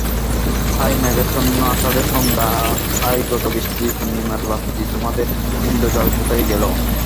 হায় মেঘাচ্ছন্ন আষাঢ়ের সন্ধ্যা, হায় গতবৃষ্টি পূর্ণিমার রাত্রি, তোমাদের ইন্দ্রজাল কোথায় গেল।